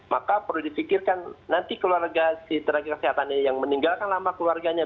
maka perlu dipikirkan nanti keluarga si tenaga kesehatan ini yang meninggalkan lama keluarganya